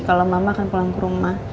kalau mama akan pulang ke rumah